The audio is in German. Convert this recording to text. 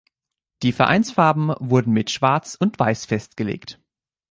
Die Vereinsfarben wurden mit Schwarz und Weiß festgelegt.